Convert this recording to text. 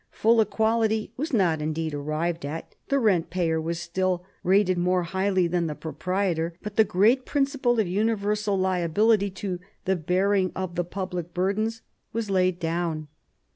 Full equality was not indeed arrived at ; the rent payer was still rated more highly than the proprietor; but the great principle of universal liability to the bearing of the public burdens was laid down.